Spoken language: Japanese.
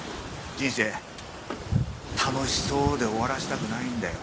人生「楽しそう」で終わらせたくないんだよ。